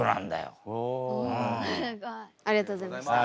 すごい。ありがとうございました。